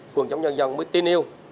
quận chống nhân dân mới tin yêu